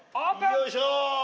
よいしょ。